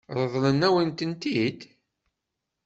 Ṛeḍlen-am-tent-id?